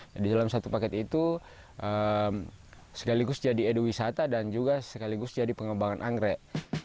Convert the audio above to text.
jadi dalam satu paket itu sekaligus jadi edu wisata dan juga sekaligus jadi pengembangan anggrek